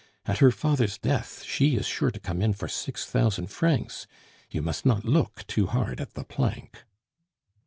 At her father's death she is sure to come in for six thousand francs, you must not look too hard at the plank."